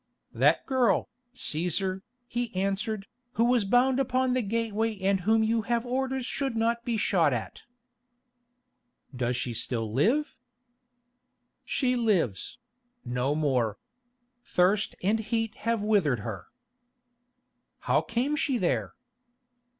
"That girl, Cæsar," he answered, "who was bound upon the gateway and whom you have orders should not be shot at." "Does she still live?" "She lives—no more. Thirst and heat have withered her." "How came she there?"